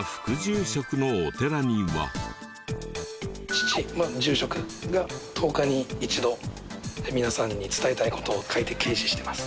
父まあ住職が十日に一度皆さんに伝えたい事を書いて掲示しています。